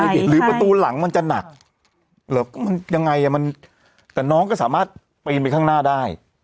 หรือประตูหลังมันจะหนักหรือมันยังไงอ่ะมันแต่น้องก็สามารถปีนไปข้างหน้าได้